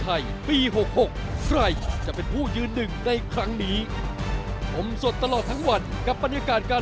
อาจจะหลงลืมไปบ้างเพราะทำเป็นคนกิน